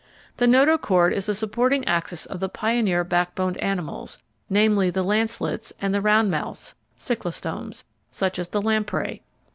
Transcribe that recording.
The notochord is the supporting axis of the pioneer backboned animals, namely the Lancelets and the Round mouths (Cyclostomes), such as the Lamprey.